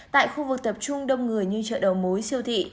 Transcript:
tại khu vực tập trung đông người như chợ đầu mối siêu thị